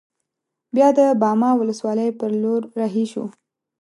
بیا د باما ولسوالۍ پر لور رهي شوو.